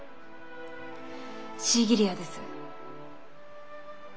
シーギリアです。